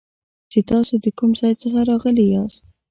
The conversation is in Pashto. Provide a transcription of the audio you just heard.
چې تاسو د کوم ځای څخه راغلي یاست